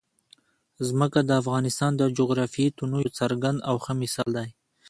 ځمکه د افغانستان د جغرافیوي تنوع یو څرګند او ښه مثال دی.